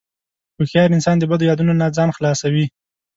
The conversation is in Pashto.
هوښیار انسان د بدو یادونو نه ځان خلاصوي.